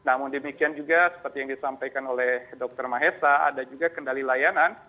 namun demikian juga seperti yang disampaikan oleh dr mahesa ada juga kendali layanan